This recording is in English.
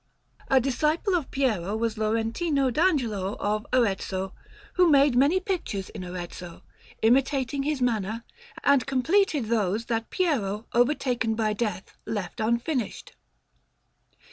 A disciple of Piero was Lorentino d'Angelo of Arezzo, who made many pictures in Arezzo, imitating his manner, and completed those that Piero, overtaken by death, left unfinished.